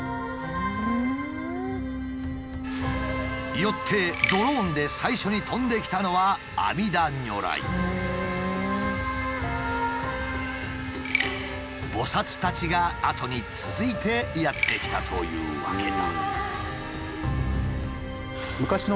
よってドローンで最初に飛んできたのは菩たちが後に続いてやって来たというわけだ。